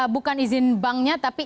bukan izin banknya tapi